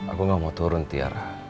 aku gak mau turun tiara